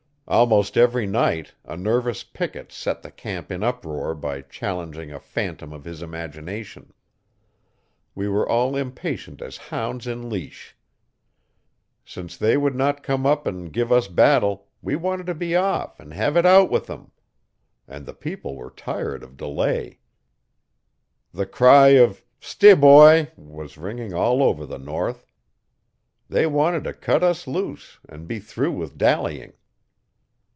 Almost every night a nervous picket set the camp in uproar by challenging a phantom of his imagination. We were all impatient as hounds in leash. Since they would not come up and give us battle we wanted to be off and have it out with them. And the people were tired of delay. The cry of 'ste'boy!' was ringing all over the north. They wanted to cut us loose and be through with dallying.